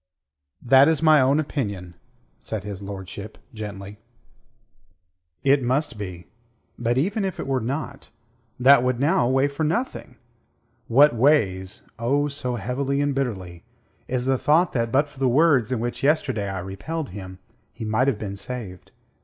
"That is my own opinion," said his lordship gently. "It must be. But even if it were not, that would now weigh for nothing. What weighs oh, so heavily and bitterly is the thought that but for the words in which yesterday I repelled him, he might have been saved.